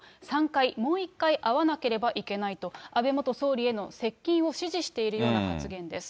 ３回、もう１回会わなければいけないと、安倍元総理への接近を指示しているような発言です。